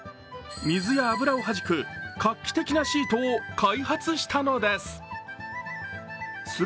水や油を弾く、画期的なシートを開発したのです。